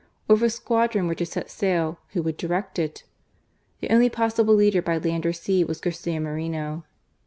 Or if a squadron were to set sail, who would direct it ?" The only possible leader by land or sea was Garcia Moreno."